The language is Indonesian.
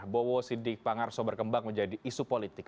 bowo sidik pangarso berkembang menjadi isu politik